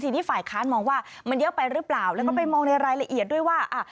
ทีนี้ฝ่ายค้านมองว่ามันเยอะไปหรือเปล่าแล้วก็ไปมองในรายละเอียดด้วยว่า